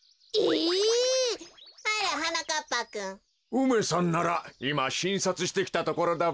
梅さんならいましんさつしてきたところだべ。